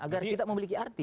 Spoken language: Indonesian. agar kita memiliki arti